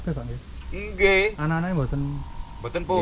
tidak mereka berada di bawah